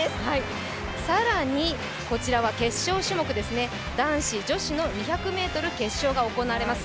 更に、こちらは決勝種目ですね、男子、女子の２００ｍ決勝が行われます。